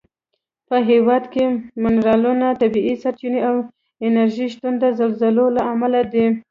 په هېواد کې منرالونه، طبیعي سرچینې او انرژي شتون د زلزلو له امله دی.